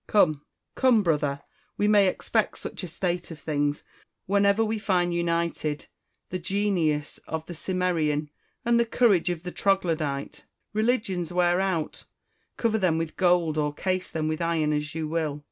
Come, come, brother ! we may expect such a state of things, whenever we find united the genius of the Cimmerian and the courage of the Troglodyte. Religions wear out, cover them with gold or case them with iron as you will.